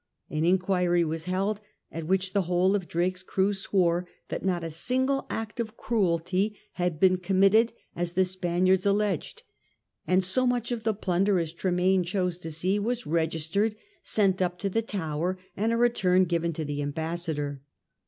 An inquiry was held at which the whole of Drake's crew swore that not a single act of cruelty had been committed as the Spaniards alleged, and so much of the plunder as Tremayne chose to see was registered, sent up to the Tower, and a return given to the Ambassador.